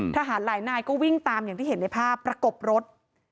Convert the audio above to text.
ทหารหลายนายก็วิ่งตามอย่างที่เห็นในภาพประกบรถ